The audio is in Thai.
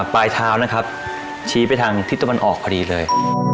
ปลายเท้านะครับชี้ไปทางทิศตะวันออกพอดีเลย